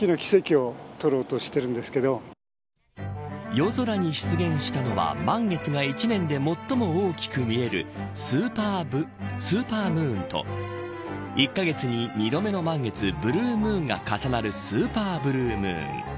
夜空に出現したのは満月が１年で最も大きく見えるスーパームーンと１カ月に２度目の満月ブルームーンが重なるスーパーブルームーン。